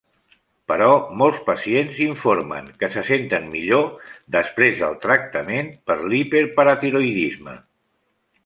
Però molts pacients informen que se senten millor després del tractament per l'hiperparatiroïdisme.